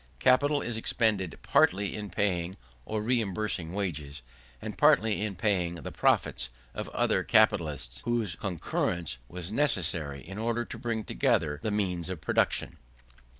Capital is expended partly in paying or reimbursing wages, and partly in paying the profits of other capitalists, whose concurrence was necessary in order to bring together the means of production.